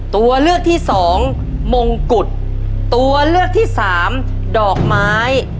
ตัวเลือกที่สองมงกุฎตัวเลือกที่สามดอกไม้